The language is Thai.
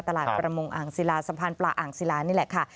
ประมงอ่างศิลาสะพานปลาอ่างศิลานี่แหละค่ะ